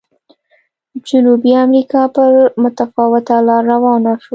جنوبي امریکا پر متفاوته لار روانه شوه.